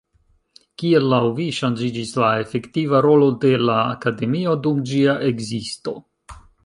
Kiel laŭ vi ŝanĝiĝis la efektiva rolo de la Akademio dum ĝia ekzisto?